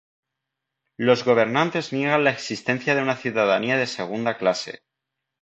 Los gobernantes niegan la existencia de una ciudadanía de segunda clase.